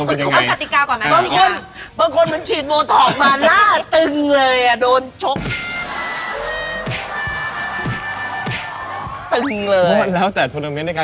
เดี๋ยวนี่จริงแต่เดี๋ยวมีที่ดู